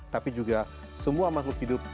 tapi juga semua makhluk hidup